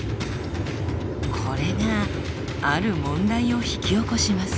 これがある問題を引き起こします。